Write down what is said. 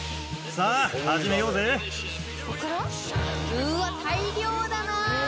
うわ大量だな！